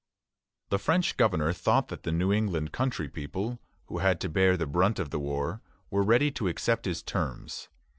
The French governor thought that the New England country people, who had to bear the brunt of the war, were ready to accept his terms.